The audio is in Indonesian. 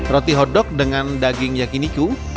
roti hodok dengan daging yakiniku